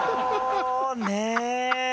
ねえ！